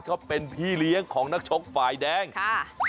เขาเป็นพี่เลี้ยงของนักชกฝ่ายแดงค่ะ